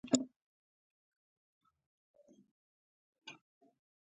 فلسطیني خلک په خپله خاوره کې سفر لپاره پوسټونو ته تېرېږي.